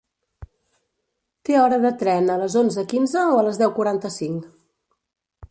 Té hora de tren a les onze quinze o a les deu quaranta-cinc.